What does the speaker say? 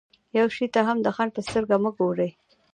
يوه شي ته هم د خنډ په سترګه مه ګورئ.